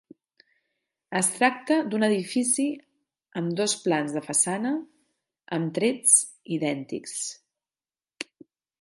Es tracta d'un edifici amb dos plans de façana amb trets idèntics.